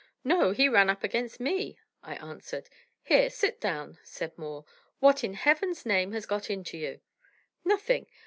"No, he ran up against me," I answered. "Here, sit down," said Moore. "What, in heaven's name, has got into you?" "Nothing.